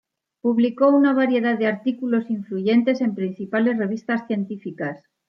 Publicó una variedad de artículos influyentes en principales revistas científicas.